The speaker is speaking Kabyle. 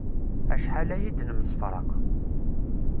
Acḥal aya i d-nemsefraq.